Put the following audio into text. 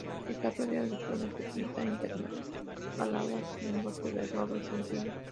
Está rodeado de zonas de pinar intercaladas con bosques de robles y encinas.